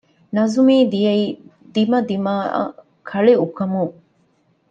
ނަޒުމީ ދިޔައީ ދިމަދިމާއަށް ކަޅިއުކަމުން